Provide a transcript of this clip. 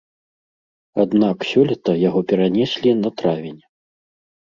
Аднак сёлета яго перанеслі на травень.